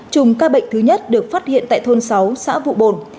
chùm ca bệnh thứ nhất được phát hiện tại thôn sáu xã vụ bồn